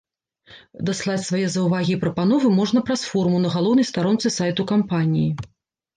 Даслаць свае заўвагі і прапановы можна праз форму на галоўнай старонцы сайту кампаніі.